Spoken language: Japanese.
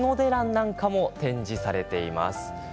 なんかも展示されています。